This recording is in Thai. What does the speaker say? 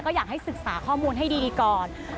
อยากให้ศึกษาข้อมูลให้ดีก่อน